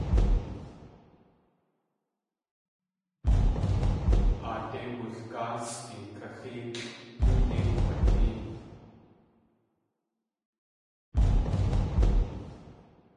Aadé wulgáasʼí kaxéelʼ tóo yei kg̲watée.